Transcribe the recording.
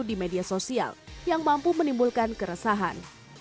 di media sosial yang mampu menimbulkan keresahan